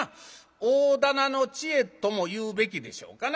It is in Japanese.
大店の知恵とも言うべきでしょうかな。